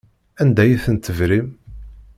Anda ay ten-tebrim?